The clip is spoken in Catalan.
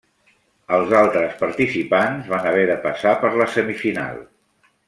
Els altres participants van haver de passar per la semifinal.